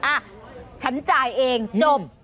อ่ะฉันจ่ายเองจบ